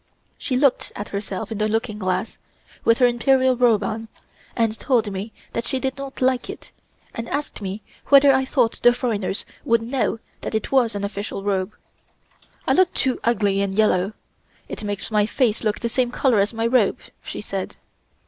She looked at herself in the looking glass, with her Imperial robe on, and told me that she did not like it, and asked me whether I thought the foreigners would know that it was an official robe. "I look too ugly in yellow. It makes my face look the same color as my robe," she said.